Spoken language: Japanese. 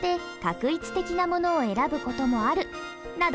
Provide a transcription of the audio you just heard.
など